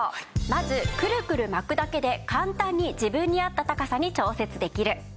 まずくるくる巻くだけで簡単に自分に合った高さに調節できる。